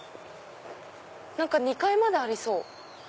何か２階までありそう。